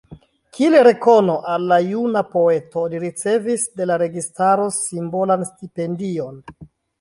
Kiel rekono al la juna poeto, li ricevis de la registaro simbolan stipendion.